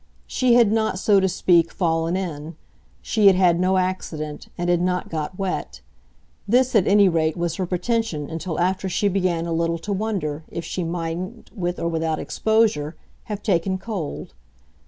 She had not, so to speak, fallen in; she had had no accident and had not got wet; this at any rate was her pretension until after she began a little to wonder if she mightn't, with or without exposure, have taken cold.